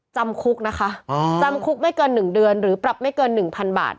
จำคุกนะคะจำคุกไม่เกิน๑เดือนหรือปรับไม่เกิน๑๐๐๐บาท